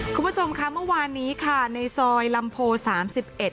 คุณผู้ชมค่ะเมื่อวานนี้ค่ะในซอยลำโพสามสิบเอ็ด